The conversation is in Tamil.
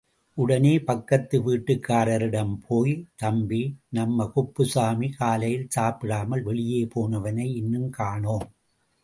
உடனே பக்கத்து விட்டுக்காரரிடம் போய், தம்பி, நம்ம குப்புசாமி காலையில் சாப்பிடாமல், வெளியே போனவனை இன்னும் காணோம்.